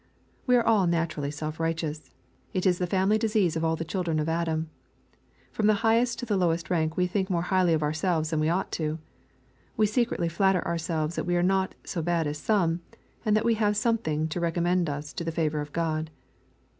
We are all naturally self righteous. It is the family disease of all the children of Adam. From the highest to the lowest we think more highly of ourselves than we ought to do. We secretly flatter ourselves that we are not so bad as some, and that we have something to re commend us to the favor of God.